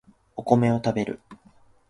お米を食べる